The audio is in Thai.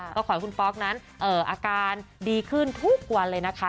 ก็ขอให้คุณป๊อกนั้นอาการดีขึ้นทุกวันเลยนะคะ